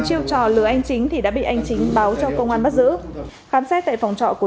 chiêu trò lừa anh chính thì đã bị anh chính báo cho công an bắt giữ khám xét tại phòng trọ của